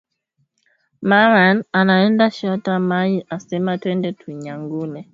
Maman anaenda shota mayi asema twende tu nyangule